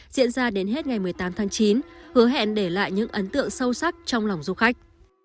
diễn ra đến hết ngày một mươi tám tháng chín hứa hẹn để lại những ấn tượng sâu sắc trong lòng du khách